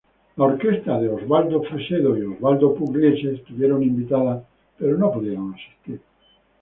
Las orquestas de Osvaldo Fresedo y Osvaldo Pugliese estuvieron invitadas pero no pudieron asistir.